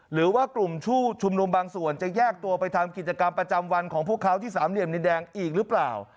หรือว่ากลุ่มผู้ชุมนุมบางส่วนจะแยกตัวไปทำกิจกรรมประจำวันของพวกเขาที่สามเหลี่ยมดินแดงอีกหรือเปล่า